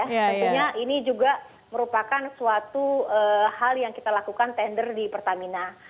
tentunya ini juga merupakan suatu hal yang kita lakukan tender di pertamina